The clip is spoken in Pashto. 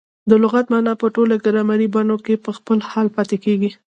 د لغت مانا په ټولو ګرامري بڼو کښي په خپل حال پاته کیږي.